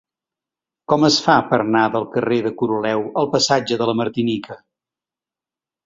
Com es fa per anar del carrer de Coroleu al passatge de la Martinica?